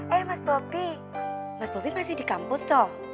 eh mas bobi mas bobi masih di kampus toh